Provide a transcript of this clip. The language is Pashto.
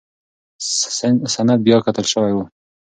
سند بیاکتل شوی و.